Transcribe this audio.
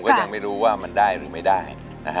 ก็ยังไม่รู้ว่ามันได้หรือไม่ได้